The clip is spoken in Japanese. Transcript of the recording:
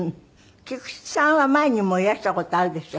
菊池さんは前にもいらした事あるでしょ？